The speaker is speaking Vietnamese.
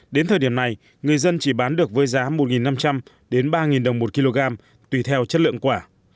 đến thời điểm này người dân chỉ bán được với giá một năm trăm linh đến ba đồng một kg tùy theo chất lượng quả